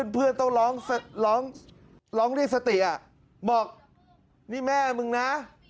เพื่อนต้องร้องเรียกสติบอกนี่แม่มึงนะ